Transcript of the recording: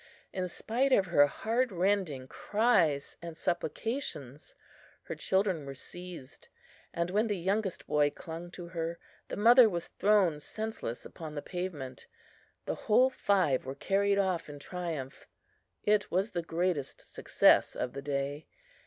In spite of her heartrending cries and supplications, her children were seized, and when the youngest boy clung to her, the mother was thrown senseless upon the pavement. The whole five were carried off in triumph; it was the greatest success of the day.